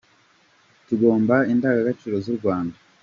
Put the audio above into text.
Tugomba indangagaciro zu Rwanda.